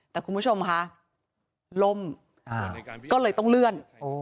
แต่คุณผู้ชมค่ะล่มก็เลยต้องเลื่อน